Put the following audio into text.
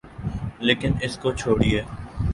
لیکن اس کو چھوڑئیے۔